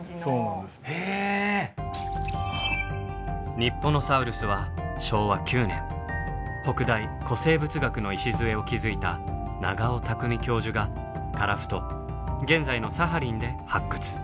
ニッポノサウルスは昭和９年北大・古生物学の礎を築いた長尾巧教授が樺太現在のサハリンで発掘。